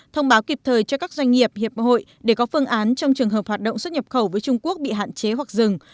thông báo kịp thời cho các doanh nghiệp hiệp hội để có phương án trong trường hợp hoạt động xuất nhập khẩu với trung quốc bị hạn chế hoặc dừng